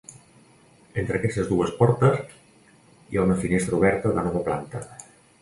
Entre aquestes dues portes hi ha una finestra oberta de nova planta.